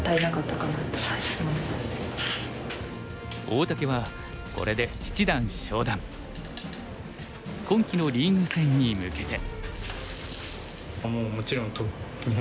大竹はこれで今期のリーグ戦に向けて。